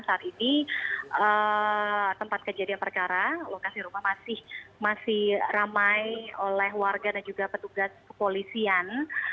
dan saat ini tempat kejadian perkara lokasi rumah masih ramai oleh warga dan juga petugas kepolisian